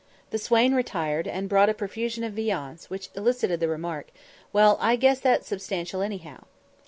The swain retired, and brought a profusion of viands, which elicited the remark, "Well, I guess that's substantial, anyhow."